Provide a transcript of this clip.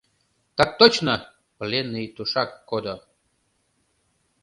Так точно, пленный тушак кодо.